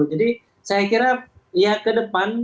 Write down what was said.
jadi saya kira ya ke depan